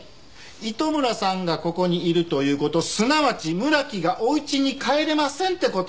糸村さんがここにいるという事すなわち村木がお家に帰れませんって事。